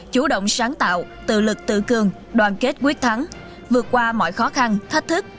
chủ động sáng tạo tự lực tự cường đoàn kết quyết thắng vượt qua mọi khó khăn thách thức